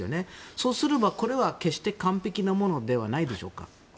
そうすれば、これは決して完璧なものではないでしょうか。